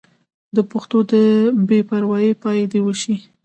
د پښتو د بې پروايۍ پای دې وشي.